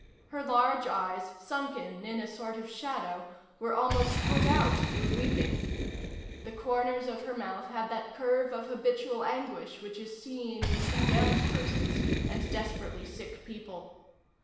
Her large eyes, sunken in a sort of shadow, were almost put out with weeping. The corners of her mouth had that curve of habitual anguish which is seen in condemned persons and desperately sick people.